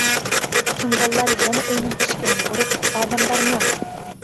تۇڭگانلار يەنە ئۆينىڭ ئىشىكىنىمۇ ئۇرۇپ، ئادەم بارمۇ؟ !